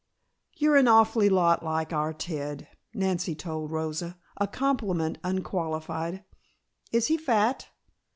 "You're an awful lot like our Ted," Nancy told Rosa, a compliment unqualified. "Is he fat?"